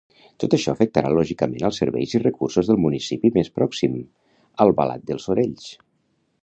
Tot això afectarà lògicament als serveis i recursos del municipi més pròxim, Albalat dels Sorells.